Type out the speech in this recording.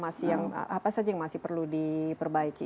apa saja yang masih perlu diperbaiki